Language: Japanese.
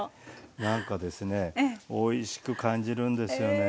なんかですねおいしく感じるんですよね。